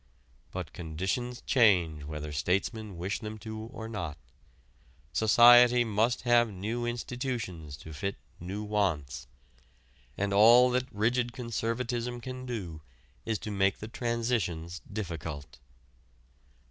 But conditions change whether statesmen wish them to or not; society must have new institutions to fit new wants, and all that rigid conservatism can do is to make the transitions difficult.